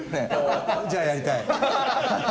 じゃあやりたい。